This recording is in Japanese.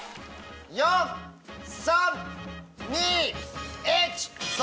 ４・３・２・１。